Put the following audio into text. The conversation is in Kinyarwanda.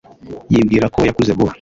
Yibwira ko yakuze vuba